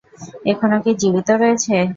এখনো কি জীবিত রয়েছে?